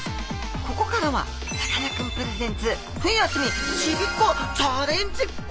ここからはさかなクンプレゼンツ冬休みちびっこチャレンジコーナー！